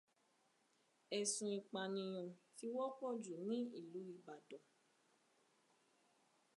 Ẹ̀sùn ìpànìyàn ti wọ́pọ̀ jù ní ìlú Ìbàdàn.